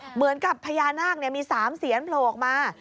เหมือนกับพญานาคเนี่ยมี๓เศียรโปรออกมา